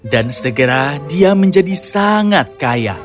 dan segera dia menjadi sangat kaya